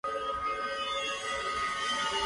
付け合わせのキャベツに味を付けるか付けないか